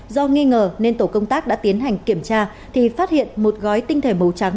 do nghi ngờ nên tổ công tác đã tiến hành kiểm tra thì phát hiện một gói tinh thể màu trắng